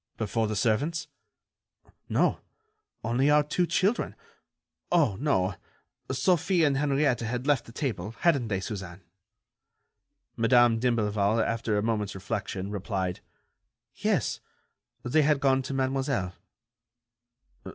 "Before the servants?" "No, only our two children. Oh, no ... Sophie and Henriette had left the table, hadn't they, Suzanne?" Madame d'Imblevalle, after a moment's reflection, replied: "Yes, they had gone to Mademoiselle."